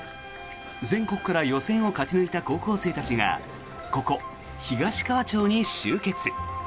全国から予選を勝ち抜いた高校生たちがここ東川町に集結。